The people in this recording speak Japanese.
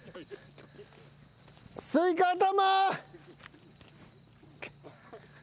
スイカ頭。